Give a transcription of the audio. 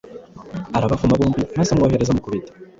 arabavuma bombi maze amwohereza amukubita